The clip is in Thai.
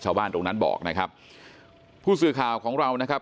ชาวบ้านตรงนั้นบอกนะครับผู้สื่อข่าวของเรานะครับ